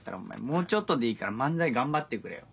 もうちょっとでいいから漫才頑張ってくれよ。